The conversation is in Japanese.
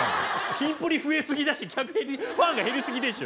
キンプリ増えすぎだし客ファンが減りすぎでしょ。